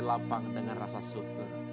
lampang dengan rasa syukur